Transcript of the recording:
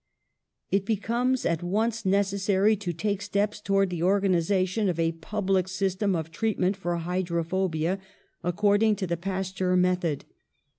"It becomes at once necessary to take steps towards the organisation of a public system of treatment for hydrophobia, according to the Pasteur method.